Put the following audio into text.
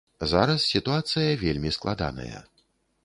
Зараз сітуацыя вельмі складаная.